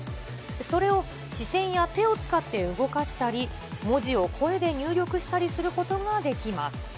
それを視線や手を使って動かしたり、文字を声で入力したりすることができます。